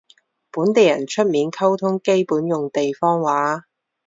本地人出面溝通基本用地方話